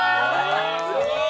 すごい！